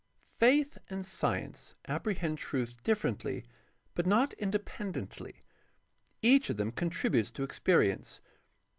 — Faith and science apprehend truth differently but not independently. Each of them contributes to experience.